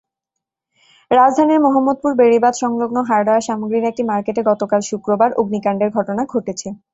রাজধানীর মোহাম্মদপুর বেড়িবাঁধ-সংলগ্ন হার্ডওয়্যার সামগ্রীর একটি মার্কেটে গতকাল শুক্রবার অগ্নিকাণ্ডের ঘটনা ঘটেছে।